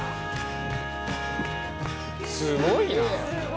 すごいな。